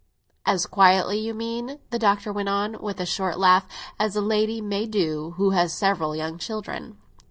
"As quietly, you mean," the Doctor went on, with a short laugh, "as a lady may do who has several young children."